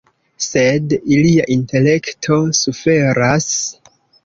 Sed ilia intelekto suferas.